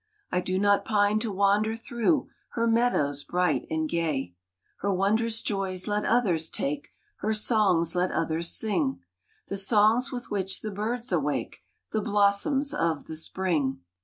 I do not pine to wander through Her meadows bright and gay. Her wondrous joys let others take, Her songs let others sing The songs with which the birds awake The blossoms of the spring.